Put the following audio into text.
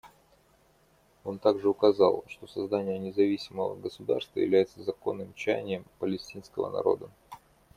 Он также указал, что создание независимого государства является законным чаянием палестинского народа.